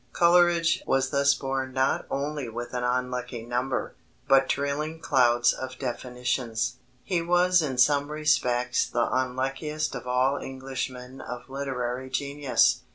Coleridge was thus born not only with an unlucky number, but trailing clouds of definitions. He was in some respects the unluckiest of all Englishmen of literary genius.